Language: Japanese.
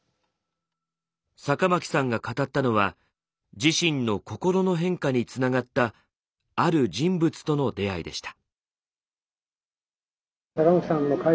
酒巻さんが語ったのは自身の心の変化につながったある人物との出会いでした。